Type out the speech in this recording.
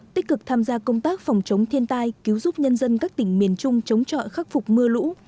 tích cực tham gia công tác phòng chống thiên tai cứu giúp nhân dân các tỉnh miền trung chống trọi khắc phục mưa lũ